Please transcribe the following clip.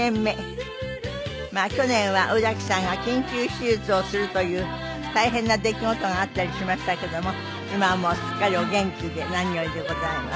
まあ去年は宇崎さんが緊急手術をするという大変な出来事があったりしましたけども今はもうすっかりお元気で何よりでございます。